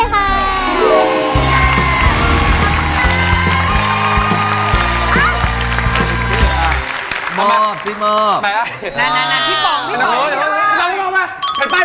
พี่ป่องพี่ป่องให้กว้าง